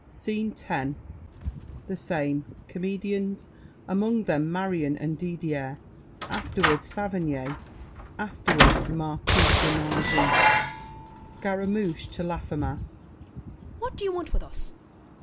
SCENE X The same. Comedians, among them Marion and Didier; afterward Saverny, afterward Marquis de Nangis SCARAMOUCHE (to Laffemas). What do you want with us? LAFFEMAS.